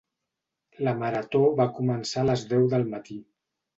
La Marató va començar a les deu del matí.